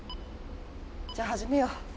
じゃあ始めよう。